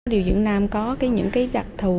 điều dưỡng nam có những đặc thù